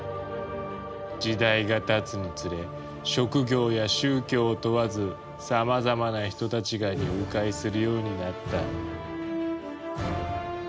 時代がたつにつれ職業や宗教を問わずさまざまな人たちが入会するようになった。